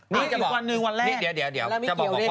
นี่อีกวันหนึ่งวันแรก